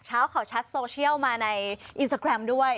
เช้าข่าวชัดโซเชียลมาในอินสตาแกรมด้วย